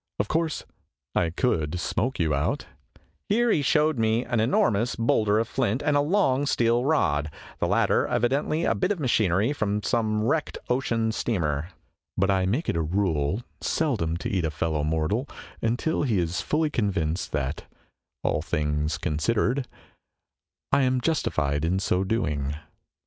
Of course I could smoke you out " (here he showed me an enormous boulder of flint and a long steel rod, the latter evidently a bit of machinery from some wrecked ocean steamer), " but I make it a rule seldom to eat a fellow mortal until he is fully convinced that, all things considered, I am justified in so doing."